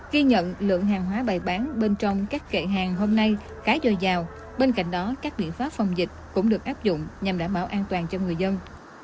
ghi nhận lượng hàng hóa bày bán bên trong các kệ hàng hôm nay khá dồi dào bên cạnh đó các biện pháp phòng dịch cũng được áp dụng nhằm đảm bảo an toàn cho người dân